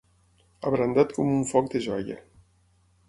Abrandat com un foc de joia.